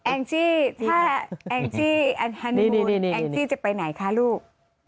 แองจิถ้าแองจิแอนฮันโนมูลแองจิจะไปไหนคะลูก